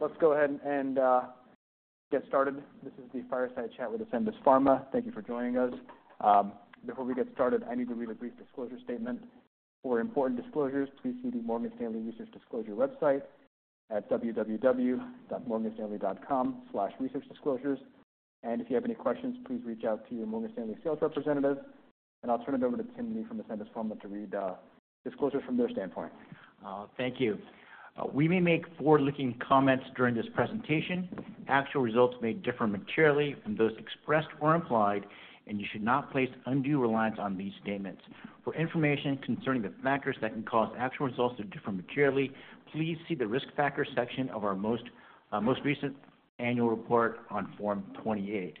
Okay, let's go ahead and get started. This is the fireside chat with Ascendis Pharma. Thank you for joining us. Before we get started, I need to read a brief disclosure statement. For important disclosures, please see the Morgan Stanley Research Disclosure website at www.morganstanley.com/researchdisclosures. If you have any questions, please reach out to your Morgan Stanley sales representative, and I'll turn it over to Tim Lee from Ascendis Pharma to read disclosures from their standpoint. Thank you. We may make forward-looking comments during this presentation. Actual results may differ materially from those expressed or implied, and you should not place undue reliance on these statements. For information concerning the factors that can cause actual results to differ materially, please see the Risk Factors section of our most recent annual report on Form 20-F.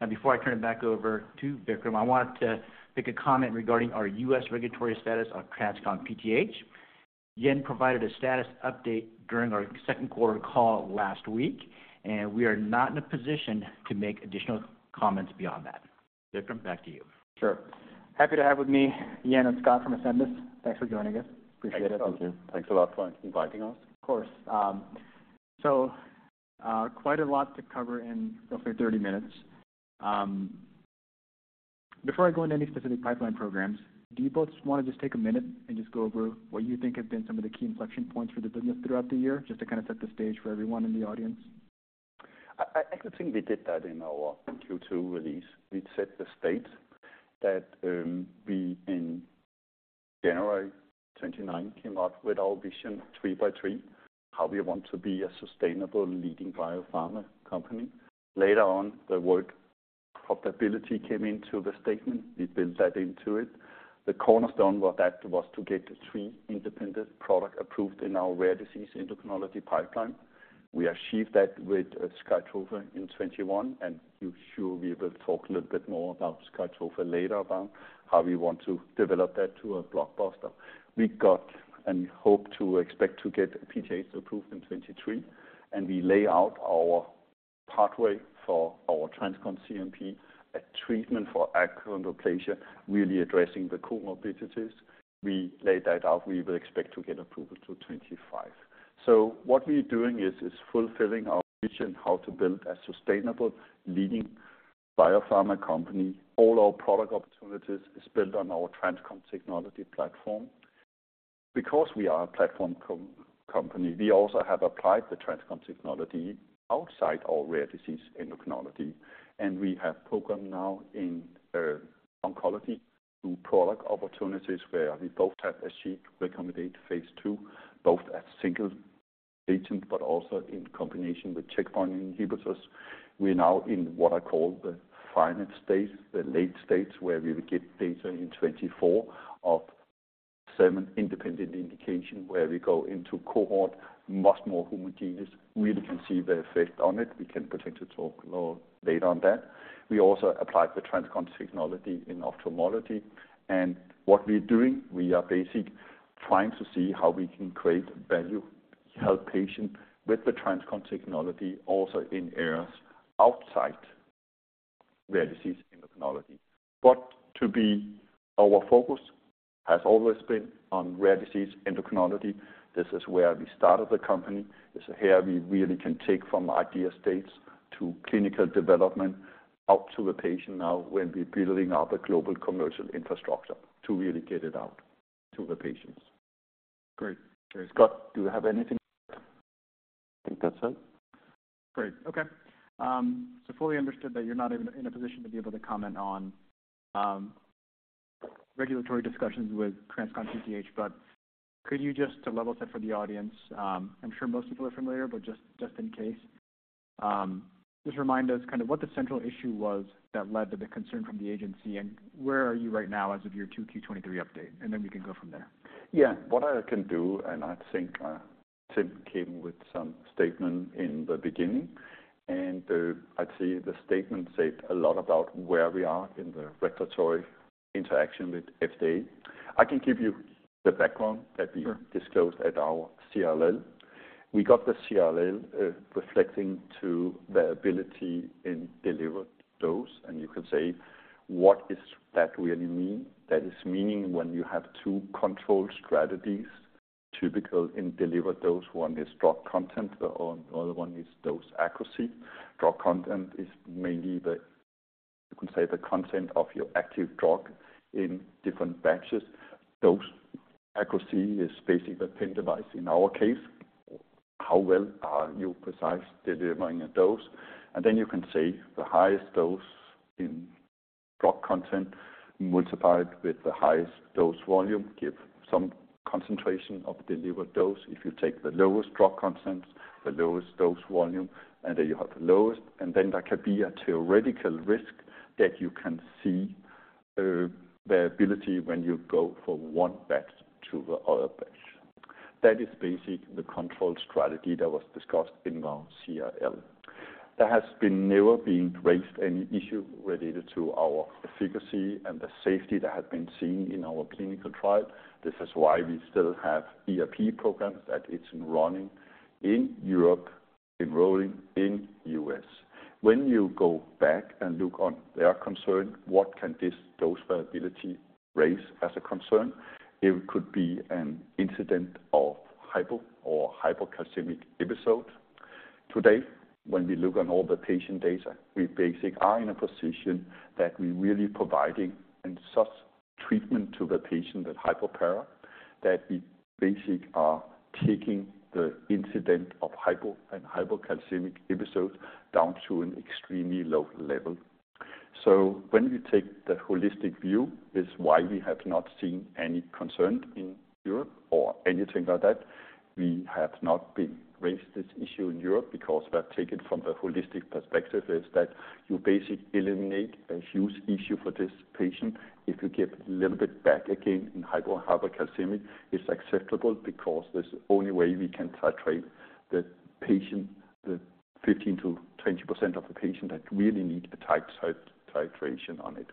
Now, before I turn it back over to Vikram, I want to make a comment regarding our U.S. regulatory status on TransCon™ PTH. Jan provided a status update during our second quarter call last week, and we are not in a position to make additional comments beyond that. Vikram, back to you. Sure. Happy to have with me Jan and Scott from Ascendis. Thanks for joining us. Appreciate it. Thank you. Thanks a lot for inviting us. Of course. So, quite a lot to cover in roughly 30 minutes. Before I go into any specific pipeline programs, do you both want to just take a minute and just go over what you think have been some of the key inflection points for the business throughout the year, just to kind of set the stage for everyone in the audience? I think we did that in our Q2 release. We set the stage that, I, in January 2019, came up with our vision three by three, how we want to be a sustainable leading biopharma company. Later on, the word profitability came into the statement. We built that into it. The cornerstone was that was to get three independent products approved in our rare disease endocrinology pipeline. We achieved that with, Skytrofa in 2021, and I'm sure we will talk a little bit more about Skytrofa later on, how we want to develop that to a blockbuster. We got and hope to expect to get PTH approved in 2023, and we lay out our pathway for our TransCon CNP, a treatment for achondroplasia, really addressing the comorbidities. We laid that out. We will expect to get approval in 2025. So what we're doing is, is fulfilling our vision, how to build a sustainable leading biopharma company. All our product opportunities is built on our TransCon technology platform. Because we are a platform company, we also have applied the TransCon technology outside our rare disease endocrinology, and we have program now in oncology through product opportunities, where we both have achieved candidate phase II, both as single agent but also in combination with checkpoint inhibitors. We're now in what I call the final stage, the late stage, where we will get data in 2024 from seven independent indication, where we go into cohort, much more homogeneous, really can see the effect on it. We can potentially talk more later on that. We also applied the TransCon technology in ophthalmology, and what we're doing, we are basically trying to see how we can create value, help patients with the TransCon technology also in areas outside rare disease endocrinology. But, to be, our focus has always been on rare disease endocrinology. This is where we started the company. This is where we really can take from idea states to clinical development, out to the patient now, when we're building out the global commercial infrastructure to really get it out to the patients. Great. Scott, do you have anything? I think that's it. Great. Okay. So fully understood that you're not in a position to be able to comment on regulatory discussions with TransCon™ PTH, but could you just, to level set for the audience, I'm sure most people are familiar, but just in case, just remind us kind of what the central issue was that led to the concern from the agency, and where are you right now as of your 2Q-2023 update? And then we can go from there. Yeah. What I can do, and I think, Tim came with some statement in the beginning, and, I'd say the statement said a lot about where we are in the regulatory interaction with FDA. I can give you the background- Sure. That we disclosed at our CRL. We got the CRL, reflecting to the ability in delivered dose, and you can say, what is that really mean? That is meaning when you have two control strategies, typical in delivered dose, one is drug content, or another one is dose accuracy. Drug content is mainly the, you can say, the content of your active drug in different batches. Dose accuracy is basically the pen device. In our case, how well are you precise delivering a dose? And then you can say the highest dose in drug content, multiplied with the highest dose volume, give some concentration of the delivered dose. If you take the lowest drug content, the lowest dose volume, and then you have the lowest, and then there can be a theoretical risk that you can see the ability when you go from one batch to the other batch. That is basically the control strategy that was discussed in our CRL. There has never been raised any issue related to our efficacy and the safety that has been seen in our clinical trial. This is why we still have EAP programs that it's running in Europe, enrolling in US. When you go back and look on their concern, what can this dose variability raise as a concern? It could be an incident of hypo or hypocalcemic episode. Today, when we look on all the patient data, we basically are in a position that we're really providing and such treatment to the patient with hypoparathyroidism, that we basically are taking the incidence of hypo, and hypocalcemic episodes down to an extremely low level. So when we take the holistic view, is why we have not seen any concern in Europe or anything like that. We have not raised this issue in Europe, because we have taken from the holistic perspective, is that you basically eliminate a huge issue for this patient. If you get a little bit back again in hypo- and hypercalcemic, it's acceptable because that's the only way we can titrate the patient, the 15%-20% of the patient that really need a tight titration on it.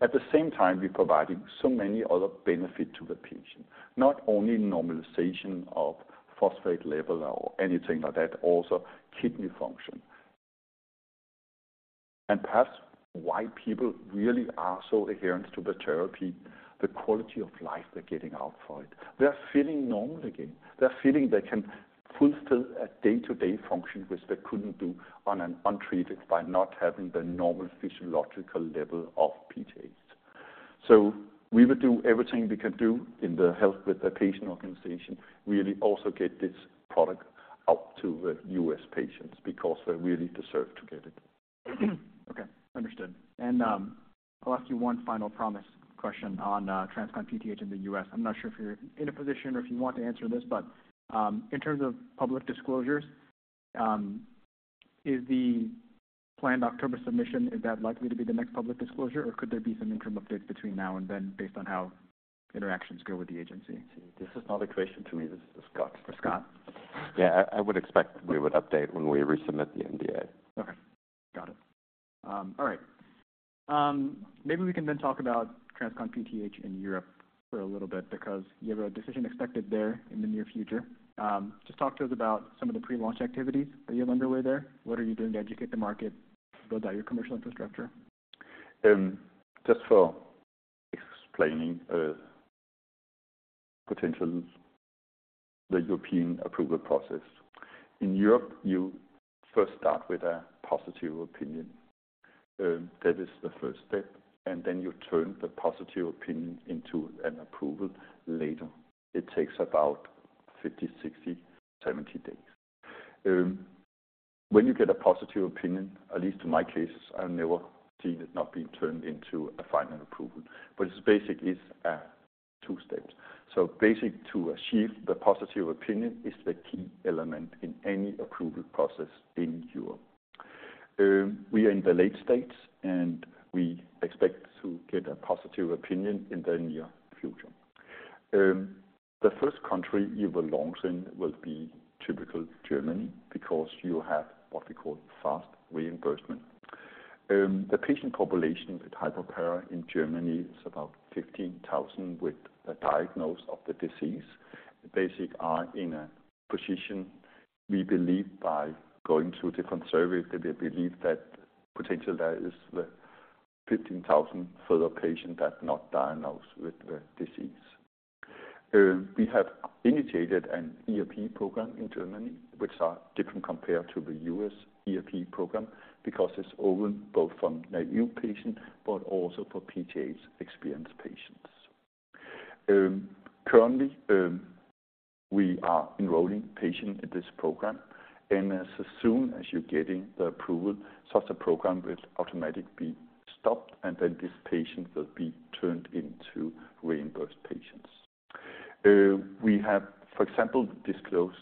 At the same time, we're providing so many other benefit to the patient, not only normalization of phosphate level or anything like that, also kidney function. And perhaps why people really are so adherent to the therapy, the quality of life they're getting out for it. They're feeling normal again. They're feeling they can fulfill a day-to-day function, which they couldn't do on an untreated by not having the normal physiological level of PTH. So we will do everything we can do in the health with the patient organization, really also get this product out to the US patients, because they really deserve to get it. Okay, understood. And, I'll ask you one final promise question on TransCon PTH in the US. I'm not sure if you're in a position or if you want to answer this, but, in terms of public disclosures, is the planned October submission, is that likely to be the next public disclosure, or could there be some interim updates between now and then based on how interactions go with the agency? This is not a question to me, this is to Scott. To Scott? Yeah, I would expect we would update when we resubmit the NDA. Okay. Got it. All right. Maybe we can then talk about TransCon™ PTH in Europe for a little bit, because you have a decision expected there in the near future. Just talk to us about some of the pre-launch activities that you have underway there. What are you doing to educate the market, build out your commercial infrastructure? Just for explaining the potential European approval process. In Europe, you first start with a positive opinion. That is the first step, and then you turn the positive opinion into an approval later. It takes about 50, 60, 70 days. When you get a positive opinion, at least in my cases, I never see it not being turned into a final approval, but it's basically is a two steps. So basic to achieve the positive opinion is the key element in any approval process in Europe. We are in the late stages, and we expect to get a positive opinion in the near future. The first country you will launch in will be typical Germany, because you have what we call fast reimbursement. The patient population with hypoparathyroidism in Germany is about 15,000 with a diagnosis of the disease. We are in a position, we believe, based on different surveys, that they believe that potentially there is the 15,000 further patients that not diagnosed with the disease. We have initiated an EAP program in Germany, which are different compared to the US EAP program, because it's open both from a new patient, but also for PTH-experienced patients. Currently, we are enrolling patients in this program, and as soon as you're getting the approval, such a program will automatically be stopped, and then these patients will be turned into reimbursed patients. We have, for example, disclosed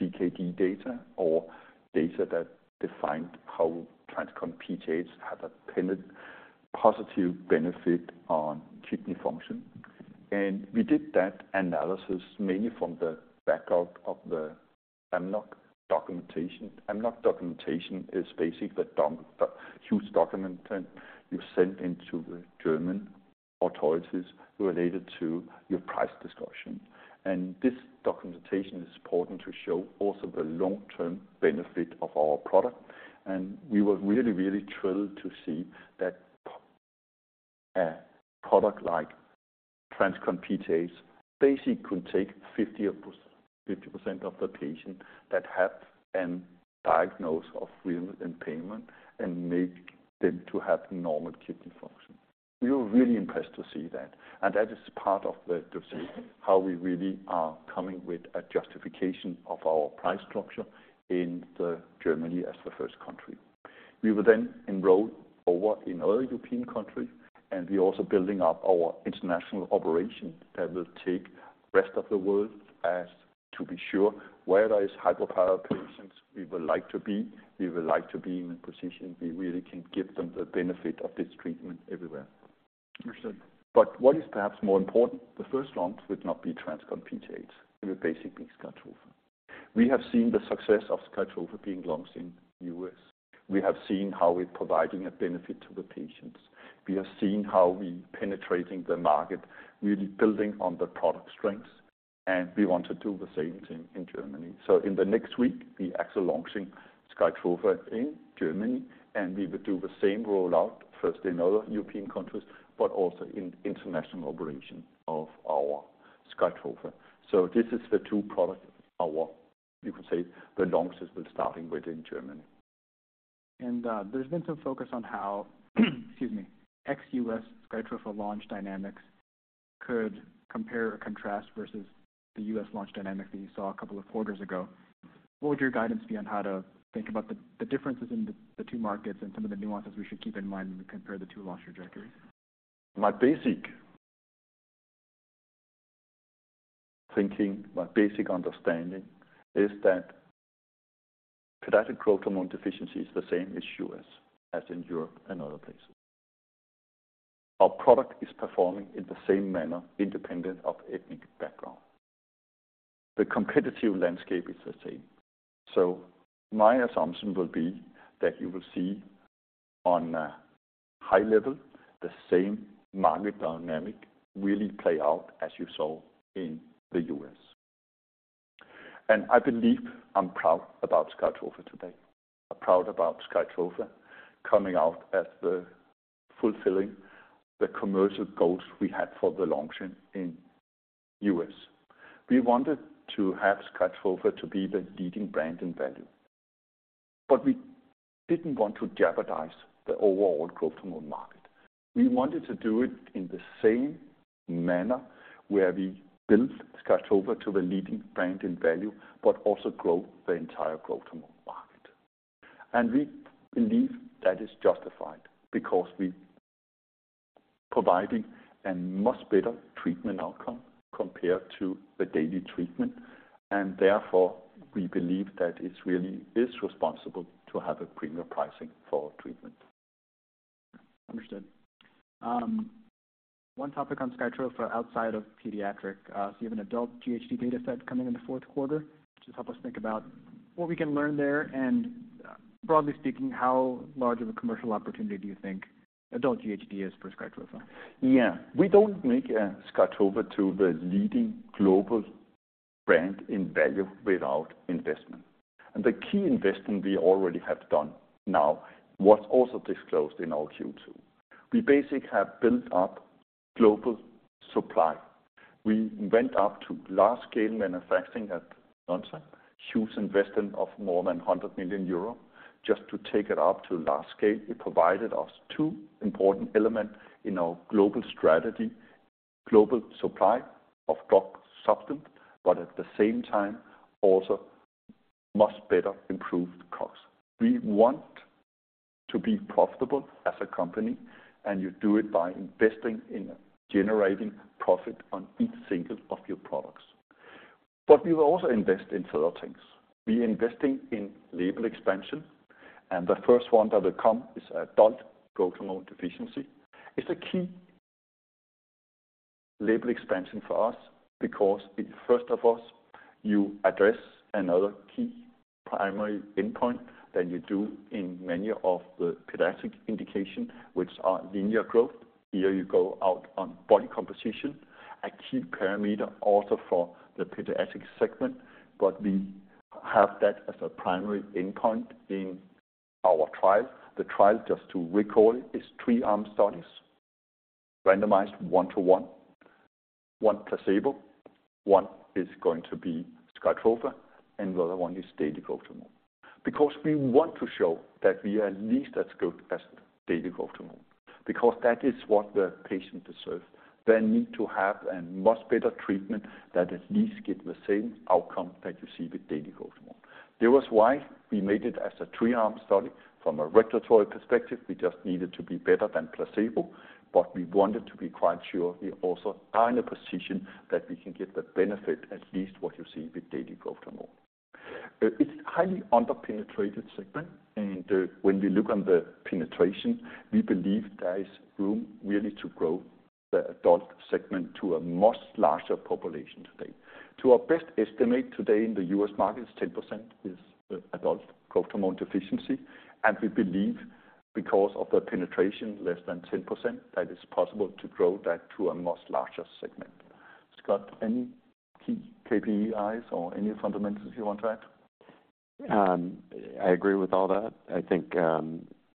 CKD data or data that defined how TransCon™ PTH has had a positive benefit on kidney function. We did that analysis mainly from the backup of the AMNOG documentation. AMNOG documentation is basically the huge document you send into the German authorities related to your price discussion. This documentation is important to show also the long-term benefit of our product. We were really, really thrilled to see that a product like TransCon™ PTH basically could take 50 of, 50% of the patient that have an diagnosis of renal impairment and make them to have normal kidney function. We were really impressed to see that, and that is part of the, to see how we really are coming with a justification of our price structure in Germany as the first country. We will then enroll over in other European countries, and we're also building up our international operation that will take rest of the world as to be sure where there is hypoparathyroid patients, we would like to be, we would like to be in a position we really can give them the benefit of this treatment everywhere. Understood. But what is perhaps more important, the first launch would not be TransCon™ PTH. It will basically be SKYTROFA. We have seen the success of SKYTROFA being launched in the U.S. we have seen how we're providing a benefit to the patients. We have seen how we penetrating the market, really building on the product strengths, and we want to do the same thing in Germany. So in the next week, we're actually launching SKYTROFA in Germany, and we will do the same rollout, first in other European countries, but also in international operation of our SKYTROFA. So this is the two products are what, you could say, the longest, we're starting with in Germany. There's been some focus on how, excuse me, ex-U.S. SKYTROFA launch dynamics could compare or contrast versus the US launch dynamic that you saw a couple of quarters ago. What would your guidance be on how to think about the differences in the two markets and some of the nuances we should keep in mind when we compare the two launch trajectories? My basic thinking, my basic understanding is that pediatric growth hormone deficiency is the same as in the U.S., as in Europe and other places. Our product is performing in the same manner, independent of ethnic background. The competitive landscape is the same. So my assumption will be that you will see on a high level, the same market dynamic really play out as you saw in the U.S. And I believe I'm proud about SKYTROFA today. I'm proud about SKYTROFA coming out as the fulfilling the commercial goals we had for the launching in the U.S. We wanted to have SKYTROFA to be the leading brand in value, but we didn't want to jeopardize the overall growth hormone market. We wanted to do it in the same manner where we built SKYTROFA to the leading brand in value, but also grow the entire growth hormone market. We believe that is justified because we providing a much better treatment outcome compared to the daily treatment, and therefore, we believe that it really is responsible to have a premium pricing for treatment. Understood. One topic on SKYTROFA outside of pediatric, so you have an adult GHD data set coming in the fourth quarter. Just help us think about what we can learn there, and broadly speaking, how large of a commercial opportunity do you think adult GHD is for SKYTROFA? Yeah. We don't make SKYTROFA the leading global brand in value without investment. The key investment we already have done now was also disclosed in our Q2. We basically have built up global supply. We went up to large-scale manufacturing at Lundbeck, huge investment of more than 100 million euro, just to take it up to large scale. It provided us two important elements in our global strategy: global supply of drug substance, but at the same time, also much better improved costs. We want to be profitable as a company, and you do it by investing in generating profit on each single of your products. We will also invest in other things. We're investing in label expansion, and the first one that will come is adult growth hormone deficiency. It's a key label expansion for us because it, first of all, you address another key primary endpoint than you do in many of the pediatric indication, which are linear growth. Here you go out on body composition, a key parameter also for the pediatric segment, but we have that as a primary endpoint in our trial. The trial, just to recall, is three-arm studies, randomized 1:1. One, placebo, one is going to be SKYTROFA, and the other one is daily growth hormone. Because we want to show that we are at least as good as daily growth hormone, because that is what the patient deserves. They need to have a much better treatment that at least get the same outcome that you see with daily growth hormone. That's why we made it as a three-arm study. From a regulatory perspective, we just needed to be better than placebo, but we wanted to be quite sure we also are in a position that we can get the benefit, at least what you see with daily growth hormone. It's highly under-penetrated segment, and, when we look on the penetration, we believe there is room really to grow the adult segment to a much larger population today. To our best estimate today in the U.S. market, is 10% is adult growth hormone deficiency, and we believe because of the penetration, less than 10%, that it's possible to grow that to a much larger segment. Scott, any key KPIs or any fundamentals you want to add? I agree with all that. I think,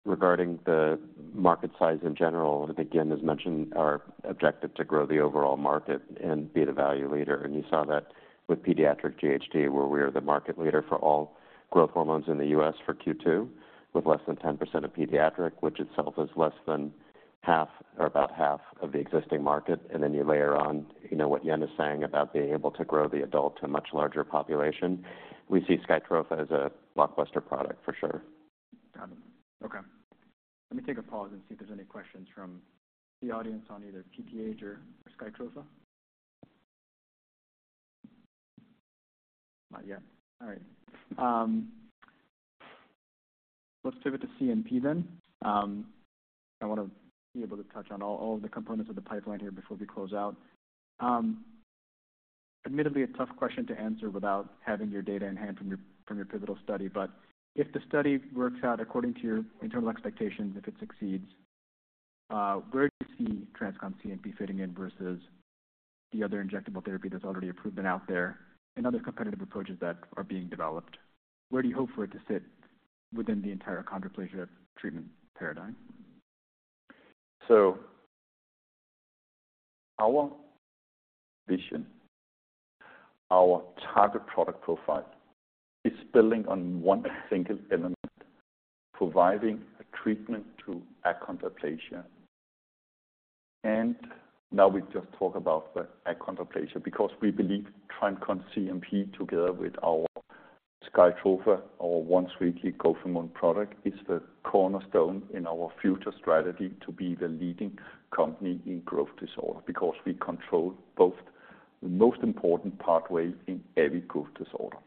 regarding the market size in general, I think Jen has mentioned our objective to grow the overall market and be the value leader. And you saw that with pediatric GHD, where we are the market leader for all growth hormones in the U.S. for Q2, with less than 10% of pediatric, which itself is less than half or about half of the existing market. And then you layer on, you know, what Jen is saying about being able to grow the adult to a much larger population. We see SKYTROFA as a blockbuster product for sure. Got it. Okay. Let me take a pause and see if there's any questions from the audience on either PTH or SKYTROFA. Not yet. All right. Let's pivot to CNP then. I want to be able to touch on all, all of the components of the pipeline here before we close out. Admittedly, a tough question to answer without having your data in hand from your, from your pivotal study. But if the study works out according to your internal expectations, if it succeeds, where do you see TransCon CNP fitting in versus the other injectable therapy that's already approved and out there, and other competitive approaches that are being developed? Where do you hope for it to sit within the entire achondroplasia treatment paradigm? So our vision, our target product profile, is building on one single element, providing a treatment to achondroplasia. And now we just talk about the achondroplasia, because we believe TransCon CNP, together with our SKYTROFA, our once-weekly growth hormone product, is the cornerstone in our future strategy to be the leading company in growth disorder, because we control both the most important pathway in every growth disorder.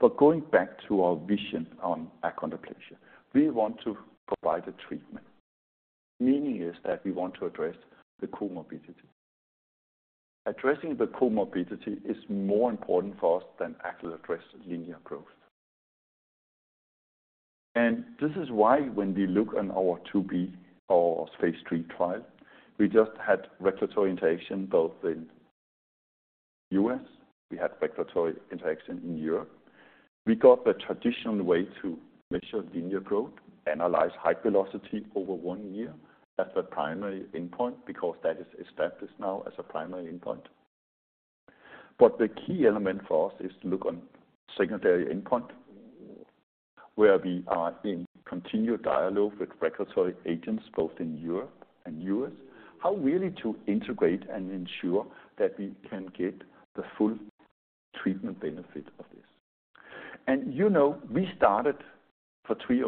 But going back to our vision on achondroplasia, we want to provide a treatment, meaning is that we want to address the comorbidity. Addressing the comorbidity is more important for us than actually addressing linear growth. And this is why when we look on our II-B and phase III trial, we just had regulatory interaction, both in U.S., we had regulatory interaction in Europe. We got the traditional way to measure linear growth, analyze height velocity over one year as the primary endpoint, because that is established now as a primary endpoint. But the key element for us is to look on secondary endpoint, where we are in continued dialogue with regulatory agents, both in Europe and U.S. How really to integrate and ensure that we can get the full treatment benefit of this. And, you know, we started for three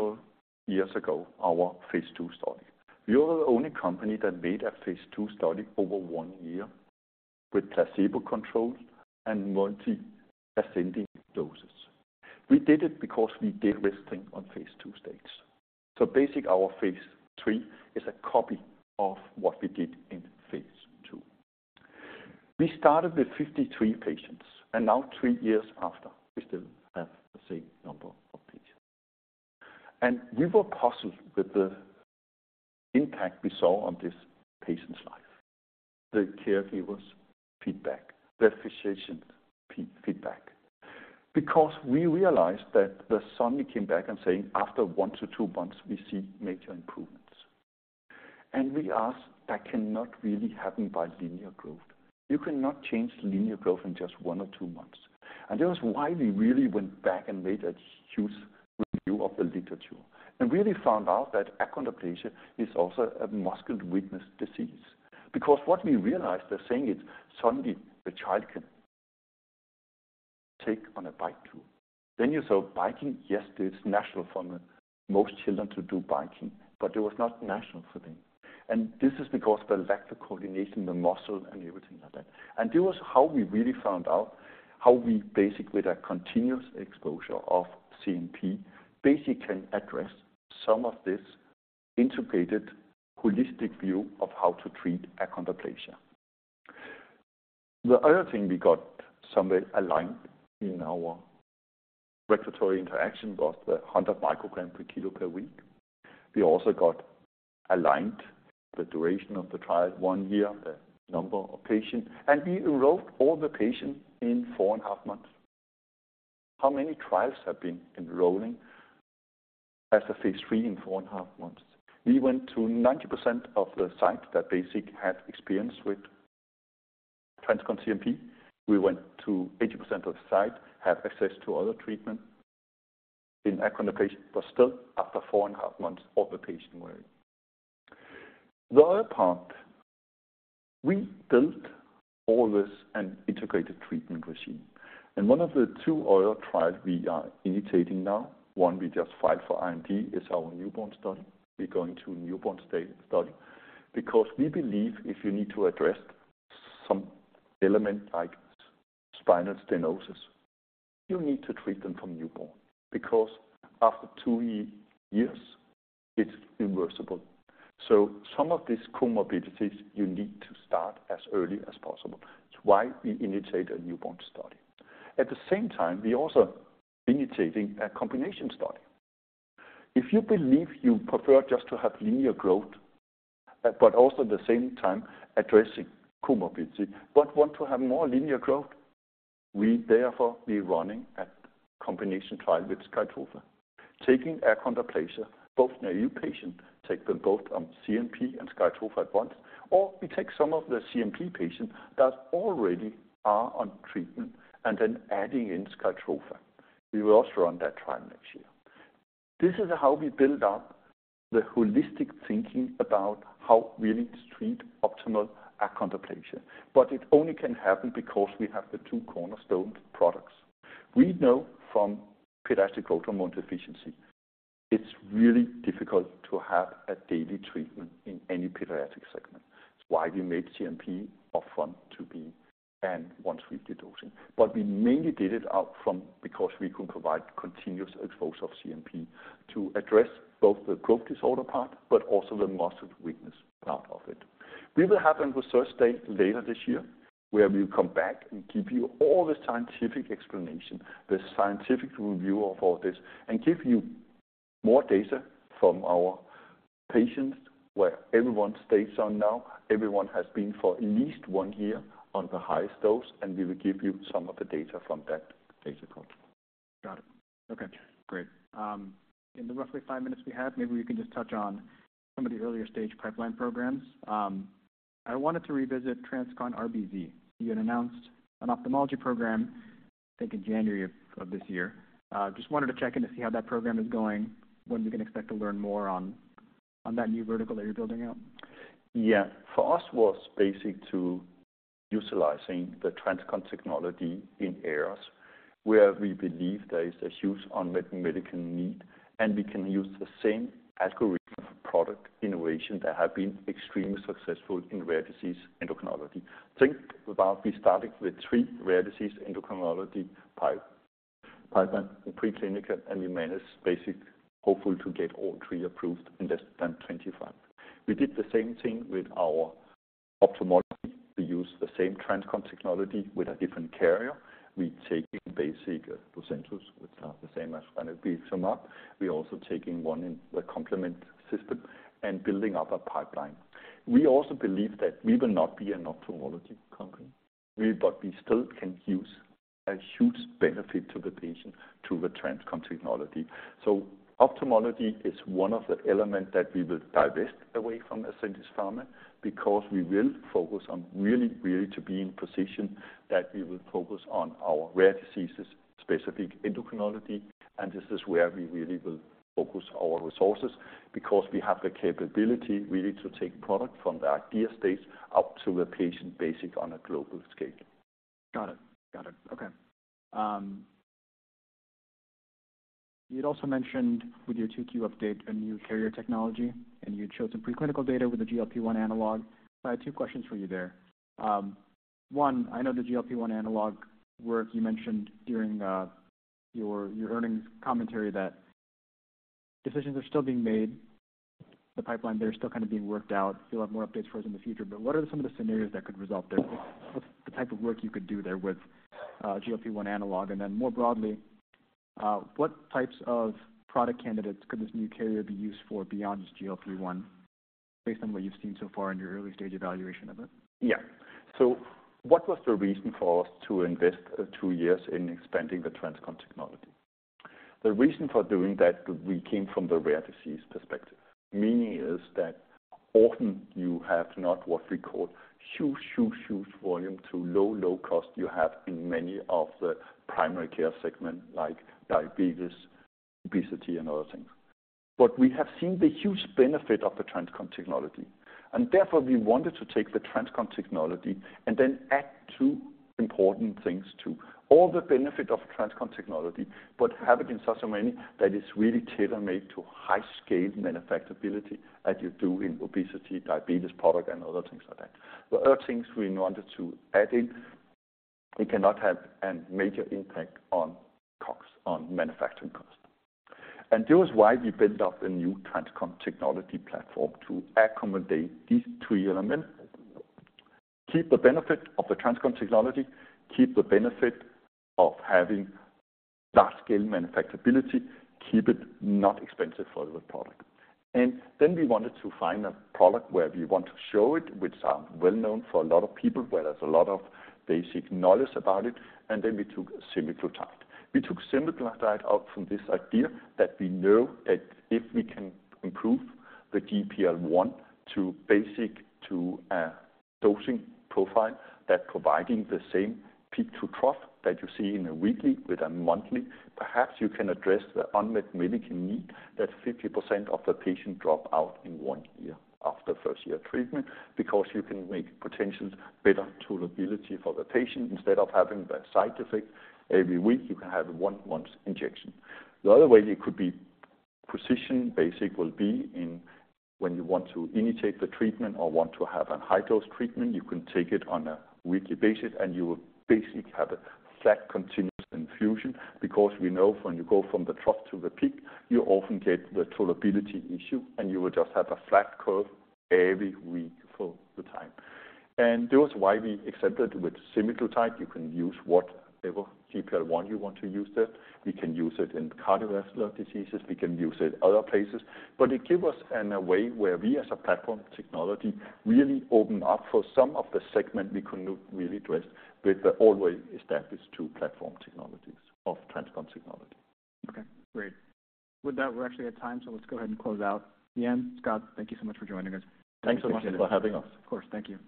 years ago, our phase II study. We are the only company that made a phase II study over 1 year with placebo controls and multi-ascending doses. We did it because we did risk thing on phase II stakes. So basic, our phase III is a copy of what we did in phase II. We started with 53 patients, and now, three years after, we still have the same number of patients. We were puzzled with the impact we saw on this patient's life, the caregivers' feedback, the physician's feedback, because we realized that the son came back and saying, after one to two months, we see major improvements. We asked, that cannot really happen by linear growth. You cannot change linear growth in just one to two months. That was why we really went back and made a huge review of the literature, and really found out that achondroplasia is also a muscle weakness disease. Because what we realized, they're saying it, suddenly, the child can take on a bike tour. Then you saw biking, yes, it's natural for most children to do biking, but it was not natural for them. And this is because the lack of coordination, the muscle and everything like that. And this was how we really found out how we basically, with a continuous exposure of CNP, basically can address some of this integrated holistic view of how to treat Achondroplasia. The other thing we got somewhere aligned in our regulatory interaction was the 100 microgram per kilo per week. We also got aligned the duration of the trial, one year, the number of patients, and we enrolled all the patients in four and a half months. How many trials have been enrolling as a phase III in four and a half months? We went to 90% of the sites that basically had experience with TransCon CNP. We went to 8V0% of the sites that have access to other treatment in Achondroplasia, but still, after four and a half months, all the patients were in. The other part, we built all this, an integrated treatment regimen, and one of the two other trials we are initiating now, one we just filed for IND, is our newborn study. We're going to a newborn study because we believe if you need to address some element like spinal stenosis, you need to treat them from newborn, because after two years, it's irreversible. So some of these comorbidities, you need to start as early as possible. That's why we initiate a newborn study. At the same time, we're also initiating a combination study. If you believe you prefer just to have linear growth, but also at the same time addressing comorbidity, but want to have more linear growth, we therefore be running a combination trial with SKYTROFA. Taking achondroplasia, both naive patients take them both on CNP and SKYTROFA at once, or we take some of the CNP patients that already are on treatment and then adding in SKYTROFA. We will also run that trial next year. This is how we build up the holistic thinking about how we need to treat optimal achondroplasia, but it only can happen because we have the two cornerstone products. We know from pediatric growth hormone deficiency, it's really difficult to have a daily treatment in any pediatric segment. It's why we made CNP upfront to be once-weekly dosing. But we mainly did it upfront because we could provide continuous exposure of CNP to address both the growth disorder part, but also the muscle weakness part of it. We will have a research day later this year, where we'll come back and give you all the scientific explanation, the scientific review of all this, and give you more data from our patients where everyone stays on now, everyone has been for at least one year on the highest dose, and we will give you some of the data from that data call. Got it. Okay, great. In the roughly five minutes we have, maybe we can just touch on some of the earlier stage pipeline programs. I wanted to revisit TransCon RBZ. You had announced an ophthalmology program, I think, in January of this year. Just wanted to check in to see how that program is going, when we can expect to learn more on that new vertical that you're building out? Yeah. For us, it was basic to utilizing the TransCon technology in areas where we believe there is a huge unmet medical need, and we can use the same algorithm for product innovation that have been extremely successful in rare disease endocrinology. Think about we started with three rare disease endocrinology pipeline in preclinical, and we managed, basic, hopeful to get all three approved in less than 25. We did the same thing with our ophthalmology. We use the same TransCon technology with a different carrier. We taking basic Lucentis, which are the same as ranibizumab. We're also taking one in the complement system and building up a pipeline. We also believe that we will not be an ophthalmology company. We still can use a huge benefit to the patient through the TransCon technology. So ophthalmology is one of the element that we will divest away from Ascendis Pharma, because we will focus on really, really to be in position, that we will focus on our rare diseases, specific endocrinology, and this is where we really will focus our resources. Because we have the capability really to take product from the idea stage up to the patient, basically, on a global scale. Got it. Got it. Okay. You'd also mentioned with your 2Q update, a new carrier technology, and you'd showed some preclinical data with the GLP-1 analog. I had two questions for you there. One, I know the GLP-1 analog work you mentioned during your earnings commentary that decisions are still being made, the pipeline there is still kind of being worked out. You'll have more updates for us in the future, but what are some of the scenarios that could result there? What's the type of work you could do there with GLP-1 analog? And then more broadly, what types of product candidates could this new carrier be used for beyond just GLP-1, based on what you've seen so far in your early stage evaluation of it? Yeah. So what was the reason for us to invest two years in expanding the TransCon technology? The reason for doing that, we came from the rare disease perspective. Meaning is that often you have to not what we call huge, huge, huge volume to low, low cost you have in many of the primary care segment, like diabetes, obesity, and other things. But we have seen the huge benefit of the TransCon technology, and therefore, we wanted to take the TransCon technology and then add two important things to all the benefit of TransCon technology, but have it in such a way that is really tailor-made to high-scale manufacturability, as you do in obesity, diabetes product, and other things like that. The other things we wanted to add in, it cannot have a major impact on costs, on manufacturing cost. That was why we built up a new TransCon technology platform to accommodate these three elements. Keep the benefit of the TransCon technology, keep the benefit of having large-scale manufacturability, keep it not expensive for the product. Then we wanted to find a product where we want to show it, which are well known for a lot of people, where there's a lot of basic knowledge about it, and then we took semaglutide. We took semaglutide out from this idea that we know that if we can improve the GLP-1 to basic, to a dosing profile, that providing the same peak to trough that you see in a weekly with a monthly, perhaps you can address the unmet medical need, that 50% of the patient drop out in one year after first year treatment, because you can make potentially better tolerability for the patient. Instead of having the side effect every week, you can have one month's injection. The other way it could be positioned basic will be in when you want to initiate the treatment or want to have a high-dose treatment, you can take it on a weekly basis, and you will basically have a flat, continuous infusion. Because we know when you go from the trough to the peak, you often get the tolerability issue, and you will just have a flat curve every week for the time. And that is why we accepted with semaglutide, you can use whatever GLP-1 you want to use there. We can use it in cardiovascular diseases, we can use it other places, but it give us in a way where we as a platform technology really open up for some of the segment we could not really address with the already established two platform technologies of TransCon technology. Okay, great. With that, we're actually at time, so let's go ahead and close out. Jan, Scott, thank you so much for joining us. Thanks so much for having us. Of course. Thank you.